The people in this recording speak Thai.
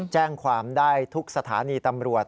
แจ้งความได้ทุกสถานีตำรวจ